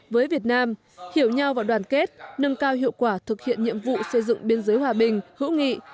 với việt nam hiểu nhau và đoàn kết nâng cao hiệu quả thực hiện nhiệm vụ xây dựng biên giới hòa bình hữu nghị